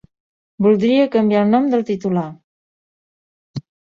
Voldria canviar el nom del titular.